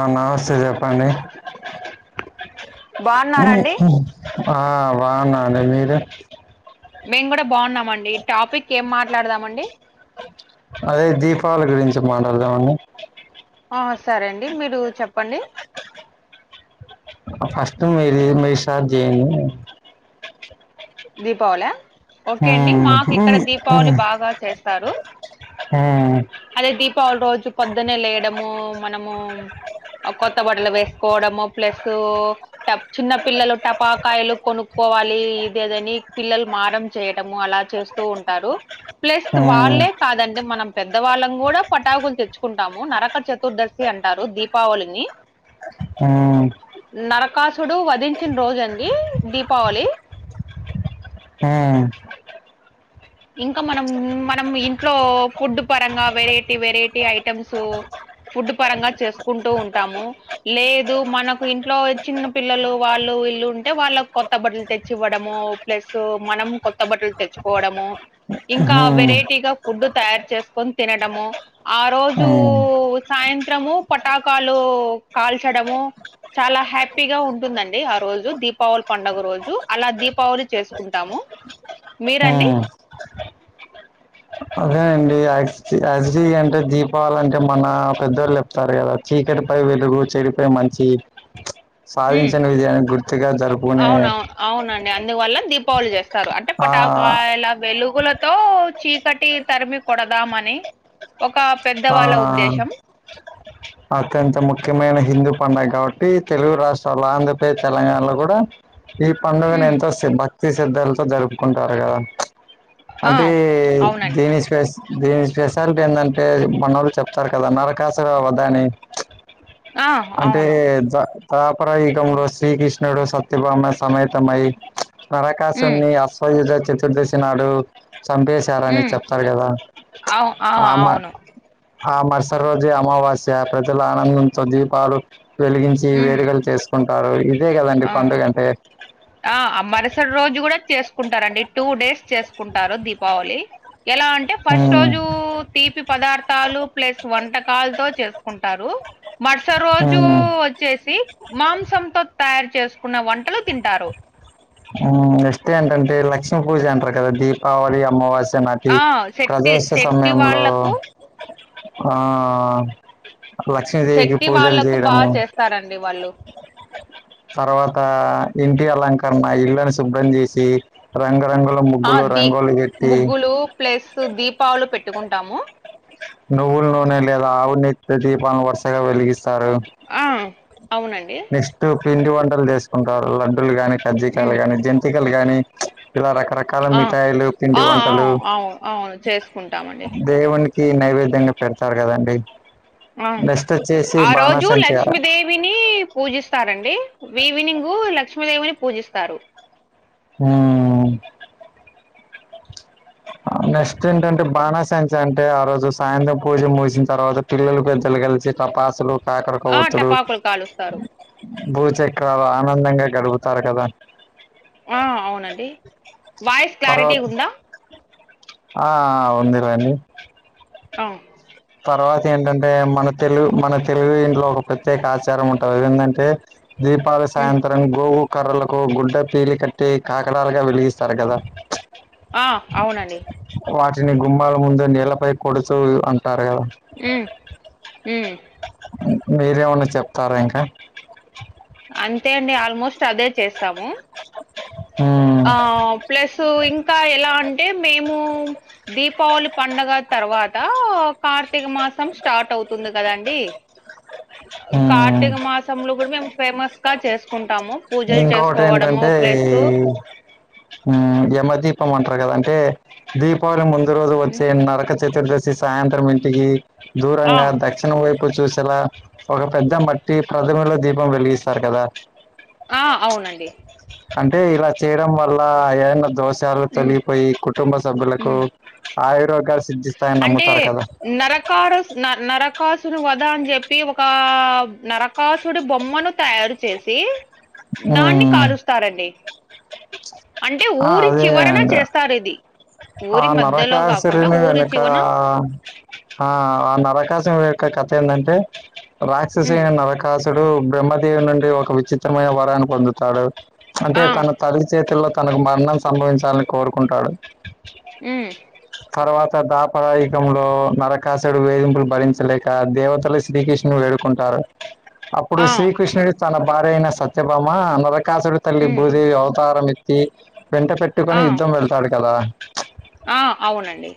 అ నమస్తే చెప్పండి బాగున్నారండి ఆ బావున్నావండి మీరుే మేము కూడా బావున్నామండి టాపిక్ ఏం మాట్లాడదామండి అదే దీపావళి గురించి మాటాడదాం అండి ఆ సరే అండి మీరు చెప్పండి అ ఫస్ట్ మీరి మీరు స్టార్ట్ జెయ్యండి దీపావలా ఓకే అండి హ్మ్ మాకు ఇక్కడ హ్మ్ దీపావళి హ్మ్ బాగా చేస్తారు హ్మ్ అదే దీపావళి రోజు పొద్దున్నే లేయడము మనము అ కొత్త బట్టలు వేసుకోవడము ప్లస్సూ టప్ చిన్న పిల్లలు టపాకాయలు కొనుక్కోవాలీ [unintelligible] దని పిల్లలు మారం చేయడము అలా చేస్తూ ఉంటారు ప్లస్ హ్మ్ వాళ్ళే కాదండి మనం పెద్దవాళ్ళం కూడా పటాకులు తెచ్చుకుంటాము నరక చతుర్దశి అంటారు దీపావళిని హ్మ్ నరకాసుడు వధించిన రోజు అండి దీపావళి హా ఇంక మనం మనం ఇంట్లో ఫుడ్ పరంగా వెరైటీ వెరైటీ ఐటమ్సు ఫుడ్ పరంగా చేసుకుంటూ ఉంటాము లేదు మనకు ఇంట్లో చిన్న పిల్లలు వాళ్ళు వీళ్ళు ఉంటే వాళ్ళక్ కొత్త బట్టలు తెచ్చి ఇవ్వడము ప్లస్సూ మనం కొత్త బట్టలు తెచ్చుకోవడము ఇంకా హ్మ్ వెరైటీగా ఫుడ్ తయారు చేసుకొని తినడము ఆ హ్మ్ రోజూ హ్మ్ సాయంత్రము పటాకాలు కాల్చడము చాలా హ్యాపీగా ఉంటుందండి ఆ రోజు దీపావళి పండగ రోజు అలా దీపావళి చేసుకుంటాము. మీరండి హ్మ్. అదేన్ డి యాక్స్జీ యాక్స్జీ అంటే దీపావళి అంటే మన పెద్దోళ్లు చెప్తారు కదా చీకటి పై వెలుగు చెడి పై మంచి ఉమ్. సాధించన విజయాన్ని గుర్తుగా జరుపుకునే అవునవును అవునండి అందువల్ల దీపావళి చేస్తారు అంటే ఆ పటాకాయల వెలుగుల తో చీకటి తరిమి కొడదామని ఒక పెద్దవాళ్ళ ఆ ఉద్దేశం [unintelligible] అత్యంత ముఖ్యమైన హిందూ పండగ కాబట్టి తెలుగు రాష్ట్రాల్లో ఆంధ్రప్రదే తెలంగాణలో కూడా ఈ పండుగను ఉమ్ ఎంతో శ భక్తి శద్ధలతో జరుపుకుంటారు కదా ఆ అంటే అవునండి దీని స్పెస్ దీని స్పెషాలిటీ ఎందన్ అంటే మనోళ్లు చెప్తారు కదా నరకాసు [unintelligible] ఆ అంటే అవును [unintelligible] తాపరయుగంలో శ్రీకృష్ణుడు సత్యభామ సమేతమై ఉమ్ [unintelligible] అశ్వయుధ చతుర్దశి నాడు చంపే [unintelligible] ఉమ్ చెప్తాడు అవు ఆ [unintelligible] అవును ఆ మరుస రోజే అమావాస్య ప్రజల ఆనందంతో దీపాలు వెలిగించి ఉమ్ వేడుకలు చేస్ కుంటారు ఇదే కదండి ఆ పండుగ అంటే ఆ మరుసటి రోజు కూడ చేసుకుంటారండి టూ డేస్ చేసుకుంటారు దీపావళి ఎలా అంటే ఫస్ట్ హ్మ్ రోజు తీపి పదార్థాలు ప్లస్ వంటకాలతో చేసుకుంటారు మరుస రోజు హ్మ్ వచ్చేసి మాంసంతో తయారు చేసుకున్న వంటలు తింటారు ఆ నెక్ట్ ఏంటంటే లక్ష్మి పూజ అంటారు కదా దీపావళి అమావాస్య న ఆ శెట్టి [unintelligible] శెట్టి సమయంలో వాళ్ళకు ఆ లక్షదేవికి పూజలు చేయడము ఇస్తారండి వాళ్ళు తర్వాత ఇంటి అలంకరణ ఇళ్ళని శుభ్రం చేసి రంగురంగు ఆ ముగ్గులో దీ రంగోలి [unintelligible] ముగ్గులు ప్లస్ దీపాలు పెట్టుకుంటాము నువ్వుల నూనె లేద ఆవు [unintelligible] దీపాలను వరుసగా వెలిగిస్తారు ఆ అవునండి [unintelligible] పిండి వంటలు చేసుకుంటారు లడ్డులుగానీ కజ్జీకాయలు ఉమ్ గాని [unintelligible] జంతికలు గాని ఇలా రకర రకాల ఆ మిఠాయిలు ఆ పిండి వంటలు అవు అవును అవును చేసుకుంటామండి దేవునికి నైవేద్యంగ పెడతారు కదండి ఆ నష్ట్ వచేసి బాణ సంచయాల విని పూజిస్తారండి ఈవినింగ్ లక్ష్మీదేవిని పూజిస్తారు హ నెక్స్ట్ ఏంటంటే బాణాసంచే అంటే ఆ రోజు సాయంత్రం పూజ ముగిసిన తర్వాత పిల్లలు పెద్దలు కలిసి టపాసులు కాకర ఆ కోవతులు టపాకులు కాలుస్తారు భూచక్రాలు ఆనందంగా గడుపుతారు కదా ఆ అవునండి వాయిస్ క్లారిటీ తర్వాత ఉంద ఆ ఉంది [unintelligible] అ తర్వాత ఏంటంటే మన తెలుగు మన తెలుగు ఇంట్లో ఒక ప్రత్యేక ఆచారం ఉంటది అది ఎందంటే దీపాలు ఉమ్ సాయంత గోవు కర్రలకు గుడ్డ పేలి కట్టి కాకడాలుగా వెలిగిస్తారు కదా ఆ అవునండి వాటిని గుమ్మాల ముందు నీళ్లపై కొడుతూ అంటారు కద ఉ ఉ మీరేమన్న చెప్తార ఇంక అంతే అండి ఆల్మోస్ట్ అదే చేస్తము ఉమ్ ఆ ప్లస్ ఇంకా ఎలా అంటే మేము దీపావళి పండగ తర్వాత కార్తీక మాసం స్టార్ట్ అవుతుంది కదండి ఉమ్ కార్తీక మాసంలో కూడా మేము ఫేమస్ గా చేసుకుంటాము పూజలు చేసుకోవడము టే ప్లస్ ఎమదీపం అంటారు కదంటే దీపావళి ముందు రోజు ఉమ్ వచ్చే నరక చతుర్దశి సాయంత్రం ఇంటికి ఆ దూరంగా దక్షిణ వైపు చూసేలా ఒక పెద్ద మట్టి ప్రథమలో దీపం వెలిగిస్తారు కదా ఆ అవునండి అంటే ఇలా చేయడం వల్ల ఏదన్నా దోషాలు ఉమ్ తొలిగిపోయి కుటుంబ సభ్యులకు ఉమ్ ఆయురోగేలు సిద్ధిస్తాయని అంటే నమ్ముతారు కదా నరకాసుని వద అని చెప్పి ఒక నరకాసుడి బొమ్మను తయారు చేసి దాన్ని ఉమ్, కాలుస్తారండి అంటే ఆ ఊరి అదే చివరన అండి చేస్తారు ఇది ఆ ఊరి మధ్యలో కాకుండా నరకాసురుని ఊరి వెనుక చివన ఆ ఆ నరకాసి యొక్క కథ ఏంటంటే రాక్షస ఉమ్ నరకాసుడు బ్రహ్మదేవి నుండి ఒక విచిత్రమైన వరాన్ని పొందుతాడు అంటే ఆ తన తల్లి చేతుల్లో తనకు మరణం సంభవించాలని కోరుకుంటాడు ఉమ్ తర్వాత దాబ పరాయుగంలో నరకాసుడు వేధింపులు భరించలేక దేవతలు శ్రీకృష్ణు వేడుకుంటారు అప్పుడు ఆ శ్రీకృష్ణుడు తన భార్య అయిన సత్యభామ అ నరకాసుడు తల్లి ఉమ్ భూదేవి అవతారం ఎత్తి వెంట పెట్టుకుని ఆ యుద్ధం వెళ్తాడు కదా ఆ అవునండి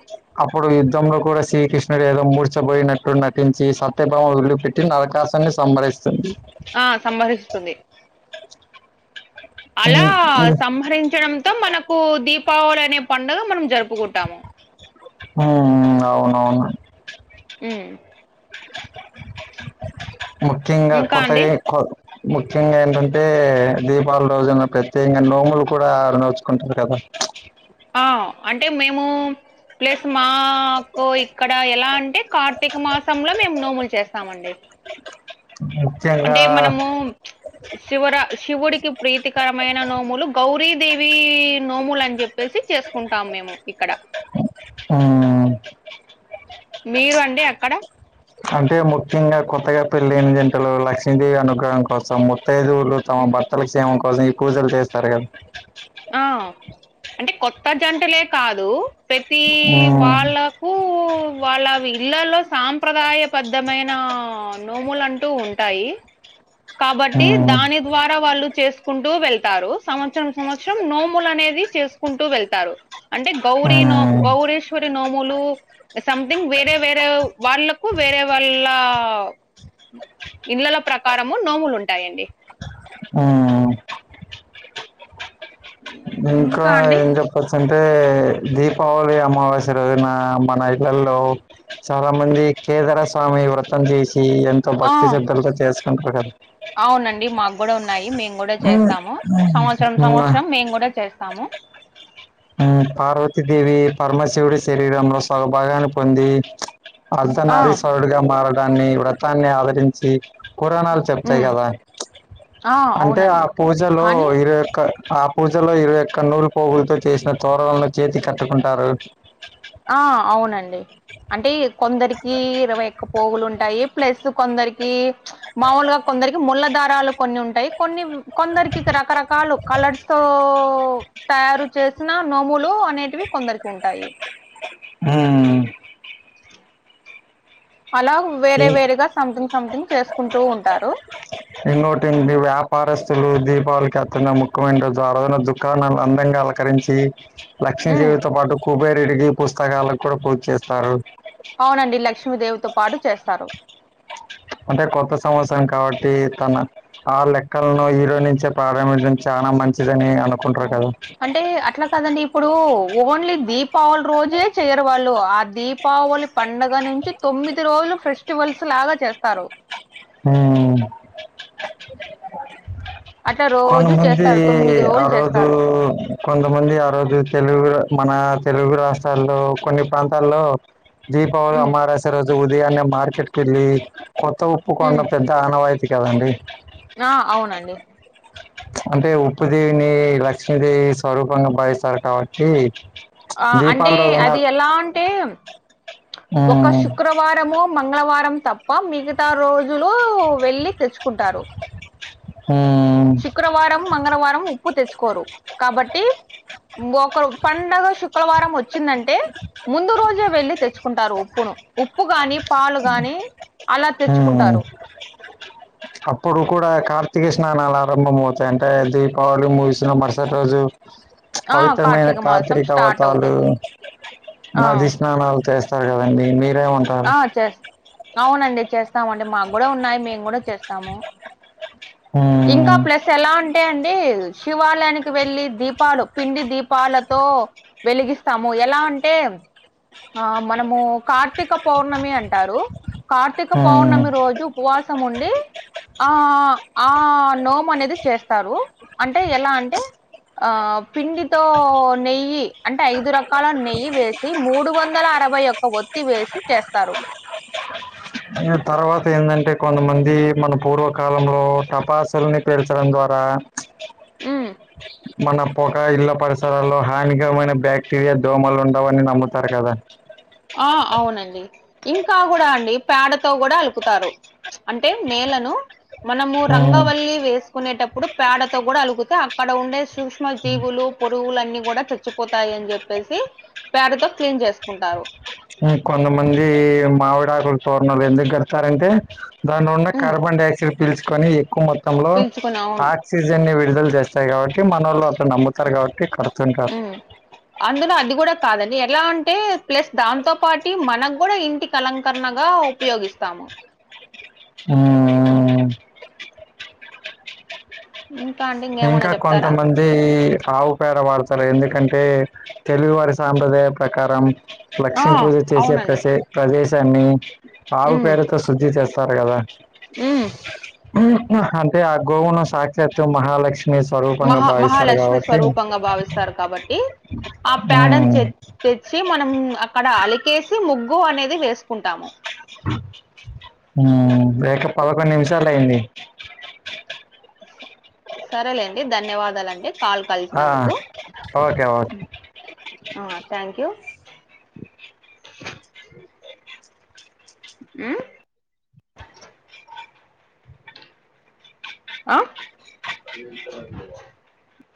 అప్పుడు యుద్ధంలో కూడా శ్రీకృష్ణుడు ఏదో మూర్చబోయినట్టు నటించి సత్యభావ వదిలిపెట్టి నరకాసుడ్ని సంబారిస్తుంది ఆ సంభరిస్తుంది అలా ఉమ్, ఉమ్, సంహరించడంతో మనకు దీపావళి అనే పండుగ మనం జరుపుకుంటాము ఉమ్ అవునవును ఉమ్ ముఖ్యంగా ఇంకా అండి కొత్తగై కొ ముఖ్యంగా ఏంటంటే దీపాళి రోజున ప్రత్యేకంగా నోములు కూడా నోచుకుంటారు కదా ఆ అంటే మేము ప్లస్ మాకు ఇక్కడ ఎలా అంటే కార్ కార్తీక మాసంలో మేము నోములు చేస్తామండి ఉ అంటే మనము శివర శివుడికి ప్రీతికరమైన నోములు గౌరీదేవి నోములని చెప్పేసి చేస్త ఉంటాం మేము ఇక్కడ ఆవున్నా అ మీరు అండి అక్కడ అంటే ముఖ్యంగా కొత్తగా పెళ్లిని జంటలు లక్ష్మీదేవి అనుగ్రహం కోసం ముత్తైదువులు తమ ఉమ్. భర్తల సేమం కోసం ఈ పుజలు చేస్తారు కదా ఆ అంటే కొత్త జంటలే కాదు ప్రతి ఉమ్, వాళ్ళ వాళ్ళ ఇళ్లలో సాంప్రదాయబద్ధమైన నోములు అంటూ ఉంటాయి కాబట్టి ఉమ్, దాని ద్వారా వాళ్ళు చేసుకుంటూ వెళ్తారు సంవత్సరం సంవత్సరం నోములు అనేది చేసుకుంటూ వెళ్తారు అంటే గౌరీ నో ఉమ్, గౌరీశ్వరి నోములు సంథింగ్ వేరే వేరే వాళ్ళలకు వేరే వాళ్ళ ఇళ్లల ప్రకారము నోములు ఉంటాయండి ఆ ఇంకా ఏం చెప్ పచ్చంటే దీపావళి అమావాస్య రోజున మన ఇళ్లల్లో చాలా మంది కేదరస్వామి వ్రతం చేసి ఎంతో ఆ భక్తి శ్రద్ధలతో చేసుకుంటారు కదా అవునండి మాకు కూడా ఉన్నాయి మేము కూడా చేస్తాము సంవత్సరం సంవత్సరం మేము కూడా చేస్తాము పార్వతీదేవి పరమశివుడి శరీరంలో సగ భాగాన్ని పొంది అర్ధ ఆ నారీశ్వరుడిగా మారడాన్ని వ్రతాన్ని ఆదరించి పురాణాలు చెప్తాయి ఉమ్, కదా ఆ అంటే ఆ అవునండి పూజలో కానీ ఇరుయొక్క ఆ పూజలో ఇరవై ఒక్క నూలు పోగులతో చేసిన తోరనాలను చేతి కట్టుకుంటారు ఆ అవునండి అంటే కొందరికి ఇరవై ఒక్క పోగులు ఉంటాయి ప్లస్ కొందరికి మామూలుగా కొందరికి ముళ్ల దారాలు కొన్ని ఉంటాయి కొన్ని కొందరికి రకరకాలు కలర్స్ తో తయారు చేసిన నోములు అనేటివి కొందరికి ఉంటాయి మ్మ్ అలా వేరే వేరేగా సంథింగ్ సంథింగ్ చేసుకుంటూ ఉంటారు ఇన్నోటింటి వ్యాపారస్తులు దీపావళికి అతున్న ముఖ్యమైన రోజు ఆజన దుకాణాలు అందంగాల కరించి ఉమ్ లక్ష్మీదేవితో పాటు కుబేరుడికి పుస్తకాలకు కూడా పూజ చేస్తారు అవునండి లక్ష్మీదేవితో పాటు చేస్తారు అంటే కొత్త సంవత్సరం కాబట్టి తన ఆ లెక్కలను ఈరో నుంచే ప్రారంభించడం చాలా మంచిదని అను అంటే అట్లా కదండి ఇప్పుడు ఓన్లీ దీపావళి రోజే చేయరు వాళ్ళు ఆ దీపావళి పండుగ నుంచి తొమ్మిది రోజులు ఫెస్టివల్స్ లాగా చేస్తారు హ్మ్ అట్లా కొన రోజు మంది చేస్తారు తొమ్మిది ఆ రోజులు రోజు చేస్తారు కొంతమంది ఆ రోజు తెలుగు మన తెలుగు రాష్ట్రాల్లో కొన్ని ప్రాంతాల్లో దీపావళి ఉమ్ అమారాస్య రోజు ఉదయాన్నే మార్కెట్కెళ్ళి కొత్త కొండ ఉమ్ పెద్ద ఆనవాయితీ కదండి ఆ అవునండి అంటే ఉప్పు దేవిని లక్ష్మీదేవి స్వరూపంగా భావిస్తారు కాబట్టి ఆ అంటే దీపాల రోజున అది ఎలా అంటే ఒక ఉమ్, శు క్రవారము మంగళవారం తప్ప మిగతా రోజులు వెళ్ళి తెచ్చుకుంటారు ఉమ్, శుక్రవారము మంగళవారము ఉప్పు తెచ్చుకోరు కాబట్టి ఒక పండగ శుక్రవారం వచ్చిందంటే ముందు రోజే వెళ్ళి తెచ్చుకుంటారు ఉప్పును ఉప్పు గాని పాలు గాని అలా ఉమ్. తెచ్చుకుంటారు అప్పుడు కూడా కార్తీక స్నానాలు ఆరంభం అవుతాయి అంటే దీపావళి ముగిసిన మరుసటి రోజు ఆ పవిత్రమైన కార్తీక మాసం కాత్రిక స్టార్ట్ వ్రతాలు అవుతుంది ఆ నది స్నానాలు చేస్తారు కదండి మీరేమన్ ఆ చేస్ అవునండి చేస్తామండి మాకూడా ఉన్నాయి మేము కూడా చేస్ తము ఇంకా ఉమ్, ప్లస్ ఎలా ఉంటాయండి శివాలయానికి వెళ్ళి దీపాలు పిండి దీపాలతో వెలిగిస్తాము ఎలా అంటే ఆ మనము కార్తీక పౌర్ణమి అంటారు కార్తీక ఉమ్. పౌర్ణమి రోజు ఉపవాసం ఉండి ఆ ఆ నోము అనేది చేస్తారు అంటే ఎలా అంటే ఆ పిండితో నెయ్యి అంటే ఐదు రక్ అలా నెయ్యి వేసి మూడు వందల అరవై యొక్క ఒత్తి వేసి చేస్తారు తర్వాత ఏన్దంటే కొంతమంది మన పూర్వకాలంలో టపాసుల్ని పేల్చడం ద్వారా చ్ ఉమ్ మన పొక ఇళ్ళ పరిసరాల్లో హానికరమైన బ్యాక్టీరియా దోమలు ఉండవని నమ్ముతారు కదా ఆ అవునండి ఇంకా కూడా అండి పేడతో కూడా అలుకుతారు అంటే నేలను మనము ఉమ్, రంగవల్లి వేసుకునేటప్పుడు పేడతో కూడా అలుకుతే అక్కడ ఉండే సూక్ష్మ జీవులు పొట్ పురుగులన్నీ కూడా చచ్చిపోతాయి అని చెప్పేసి పేడతో క్లీన్ చేసుకుంటారు కొంతమంది మావిడాకుల తోరణాలు ఎందుకు కడతారంటే దానిలో ఉన్న హ్మ్ కార్బన్ డై ఆక్సైడ్ పీల్చుకొని ఎక్కువ మొత్తంలో పీల్చుకుని అవును. అన్ సిజన్ని విడుదల చేస్తాయి కాబట్టి మనొళ్లు అట్ల నమ్ముతారు కాబట్టి కడుతారు హ్మ్ అందులో అది కూడా కాదండి ఎలా అంటే ప్లస్ దాంతో పాటి మనకు కూడా ఇంటికి అలంకరణగా ఉపయోగిస్తా ఉమ్ ఇంకా ఆండీ ఇంకా కొంతమంద్ అది ఆవుపేడ వాడ్తారు ఎందుకంటే తెలుగువారి సాంప్రదాయ ప్రకారం ఆ లక్ష్మీ పూజ చేసే అవునండి. ప్రసె ప్రదేశాన్ని ఆవు పేడతో శుద్ధి చేస్తారు కదా ఉమ్ హ్మ్ హు అంటే ఆ గోవును సాక్షతు మహాలక్ మీ సదువ్ మహా మహాలక్ష్మి స్వరూపంగా భావిస్తారు కాబట్టి ఆ పేడన్ ఉమ్ చే చ్చి మనం అక్కడ అలికేసి ముగ్గు అనేది వేసుకుంటాము హ్మ్ లేక పదకొండు నిమిషాలు అయింది సరేలేండి ధన్యవాదాలండి ఆ కలిసినందుకు ఓకే ఓకే హ్మ్ ఆ థాంక్యూ హ్మ్ ఆ